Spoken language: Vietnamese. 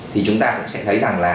thì chúng ta cũng sẽ thấy rằng là